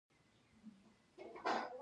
ته هر وخت چي خوښه وي دلته پاتېدای شې.